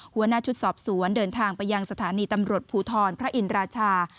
หัวหน้าชุดสอบสวนเดินทางไปยังสถานีตำรวจภูทรพระอินราชา